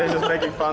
ini agak menyenangkan